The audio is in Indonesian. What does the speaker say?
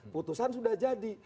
putusan sudah jadi